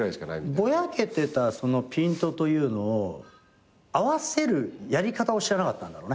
ぼやけてたピントというのを合わせるやり方を知らなかったんだろうね。